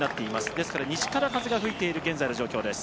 ですから西から風が吹いている現在の状況です。